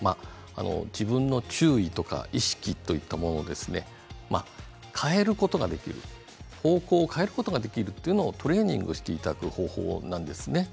自分の注意とか意識といったものを変えることができる方向を変えることができるというのをトレーニングしていただく方法です。